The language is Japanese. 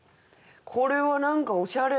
これは何かおしゃれな。